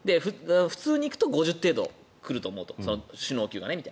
普通に行くと５０程度来ると思う首脳級がねと。